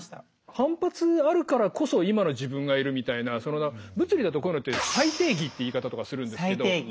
反発あるからこそ今の自分がいるみたいな物理だとこういうのって再定義って言い方とかするんですけど。